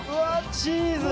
チーズ！